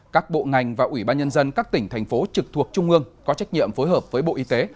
các bộ ngành và ủy ban nhân dân các tỉnh thành phố trực thuộc trung ương có trách nhiệm phối hợp với bộ y tế